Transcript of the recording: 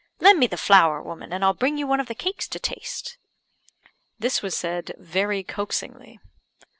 Lend me the flour, woman, and I'll bring you one of the cakes to taste." This was said very coaxingly.